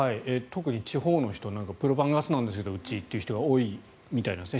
特に地方の人なんかプロパンガスなんですけど、うちって人が多いみたいですね。